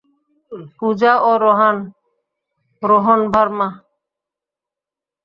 পূজা, ও রোহান, রোহন ভার্মা।